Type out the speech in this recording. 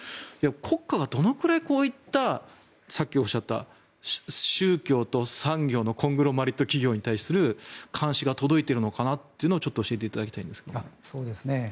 国家がどのくらいこういった、さっきおっしゃった宗教と産業のコングロマリット企業に対する監視が届いているのかなというのを教えていただきたいんですが。